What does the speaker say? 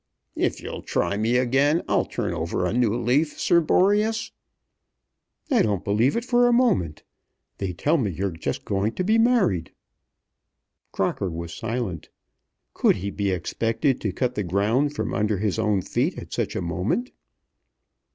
"If you'll try me again I'll turn over a new leaf, Sir Boreas." "I don't believe it for a moment. They tell me you're just going to be married." Crocker was silent. Could he be expected to cut the ground from under his own feet at such a moment?